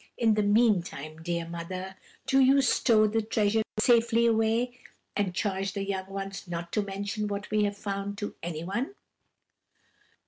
In the meantime, dear mother, do you stow the treasure safely away, and charge the young ones not to mention what we have found to anyone.'